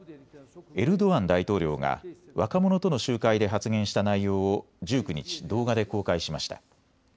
エルドアン大統領が若者との集会で発言した内容を１９日動画で公開しました。